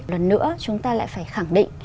lần nữa chúng ta lại phải khẳng định